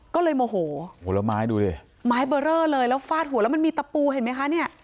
ก็เลยโมโหผลไม้ดูสิไม้เบอร์เรอเลยแล้วฟาดหัวแล้วมันมีตะปูเห็นไหมคะเนี่ย